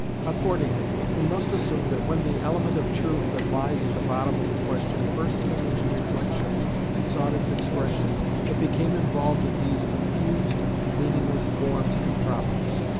Accordingly, we must assume that when the element of truth that lies at the bottom of the question first came into reflection and sought its expression, it became involved in these confused and meaningless forms and problems.